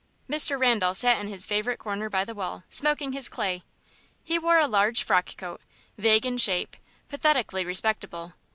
Mr. Randal sat in his favourite corner by the wall, smoking his clay. He wore a large frock coat, vague in shape, pathetically respectable.